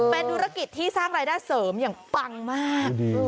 เป็นธุรกิจที่สร้างรายได้เสริมอย่างปังมาก